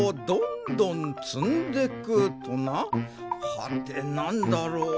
はてなんだろう。